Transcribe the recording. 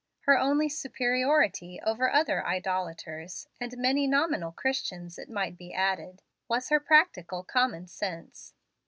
Her only superiority over other idolaters, and many nominal Christians, it might be added, was her practical common sense.